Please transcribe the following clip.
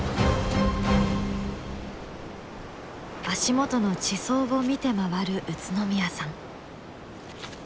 足元の地層を見て回る宇都宮さん。